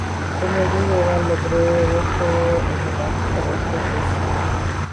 د معدې دېوال له درې ښویو عضلاتي طبقو جوړ دی.